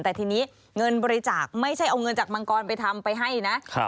แต่ทีนี้เงินบริจาคไม่ใช่เอาเงินจากมังกรไปทำไปให้นะ